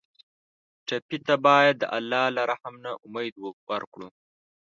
ټپي ته باید د الله له رحم نه امید ورکړو.